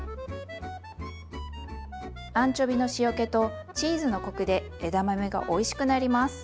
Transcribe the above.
アンチョビの塩気とチーズのコクで枝豆がおいしくなります。